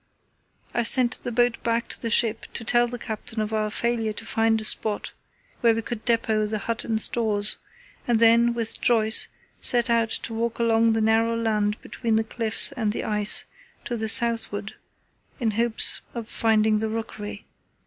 I sent the boat back to the ship to tell the captain of our failure to find a spot where we could depot the hut and stores, and then, with Joyce, set out to walk along the narrow land between the cliffs and the ice to the southward in hopes of finding the rookery.